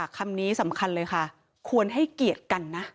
คำนี้สำคัญเลยค่ะควรให้เกียรติกันนะ